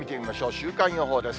週間予報です。